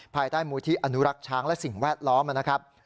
ภายใต้มูลที่อนุรักษ์ช้างและสิ่งแวดล้อมนะครับ